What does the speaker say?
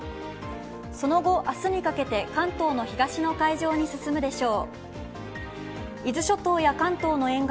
その後、明日にかけて関東の東の海上に進むでしょう。